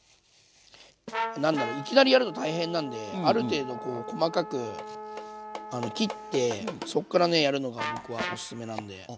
なんだろいきなりやると大変なんである程度こう細かく切ってそっからねやるのが僕はおすすめなんで。